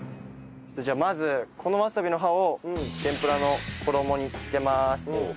じゃあまずこのわさびの葉を天ぷらの衣につけます。